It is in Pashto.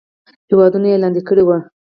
هیوادونه یې لاندې کړي وو.